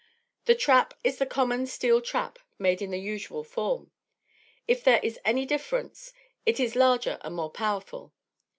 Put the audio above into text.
The trap is the common steel trap made in the usual form; if there is any difference, it is larger and more powerful.